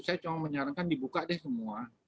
saya cuma menyarankan dibuka deh semua